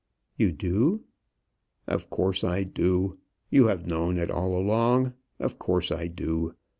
"You do?" "Of course I do. You have known it all along. Of course I do.